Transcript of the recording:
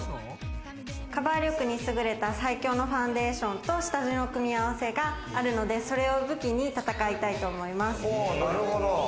カバー力にすぐれた最強のファンデーションと下地の組み合わせがあるので、それを武器に戦いたいと思います。